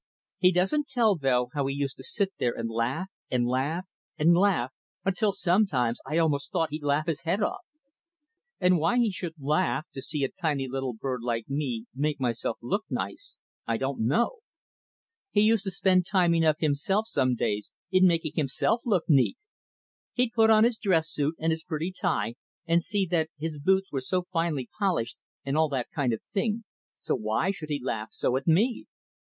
He doesn't tell, though, how he used to sit there and laugh and laugh and laugh, until sometimes I almost thought he'd laugh his head off. And why he should laugh to see a tiny little bird like me make myself look nice, I don't know. He used to spend time enough himself some days in making himself look neat. He'd put on his dress suit and his pretty tie, and see that his boots were so finely polished, and all that kind of thing, so why should he laugh so at me?